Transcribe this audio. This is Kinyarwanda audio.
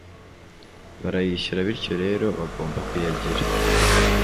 Barayishyura bityo rero bagomba kuyagira